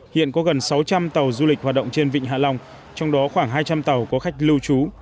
hiện có gần sáu trăm linh tàu du lịch hoạt động trên vịnh hạ long trong đó khoảng hai trăm linh tàu có khách lưu trú